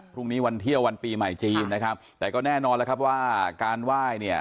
พรุ่งนี้วันเที่ยววันปีใหม่จีนนะครับแต่ก็แน่นอนแล้วครับว่าการไหว้เนี่ย